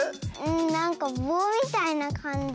なんかぼうみたいなかんじ。